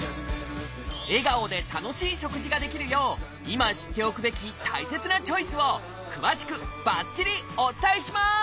笑顔で楽しい食事ができるよう今知っておくべき大切なチョイスを詳しくばっちりお伝えします！